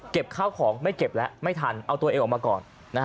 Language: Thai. ข้าวของไม่เก็บแล้วไม่ทันเอาตัวเองออกมาก่อน